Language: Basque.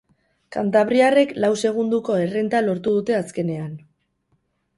Kantabriarrek lau segundoko errenta lortu dute azkenean.